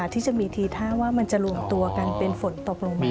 ที่จะมีทีท่าว่ามันจะรวมตัวกันเป็นฝนตกลงมา